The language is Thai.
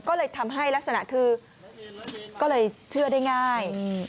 ก็เลยทำให้ลักษณะคือก็เลยเชื่อได้ง่าย